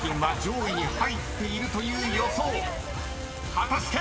［果たして⁉］